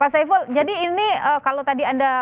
pak saiful jadi ini kalau tadi anda